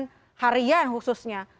kebutuhan harian khususnya